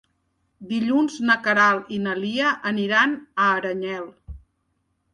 Dilluns na Queralt i na Lia aniran a Aranyel.